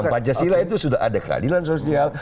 pancasila itu sudah ada keadilan sosial